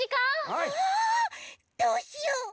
ああどうしよう！